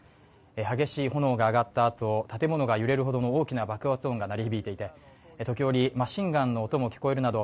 激しい炎が上がったあと建物が揺れるほどの大きな爆発音が鳴り響いていて、時折マシンガンの音も聞こえるなど